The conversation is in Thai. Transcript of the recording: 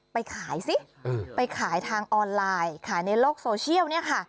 ไปขายซิไปขายทางออนไลน์ขายในโลกโซเชียล